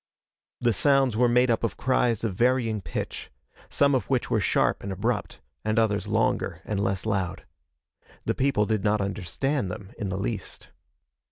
The sounds were made up of cries of varying pitch, some of which were sharp and abrupt, and others longer and less loud. The people did not understand them in the least.